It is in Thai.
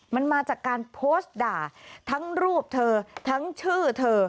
มันมาจากการโพสต์ด่าทั้งรูปเธอทั้งชื่อเธอ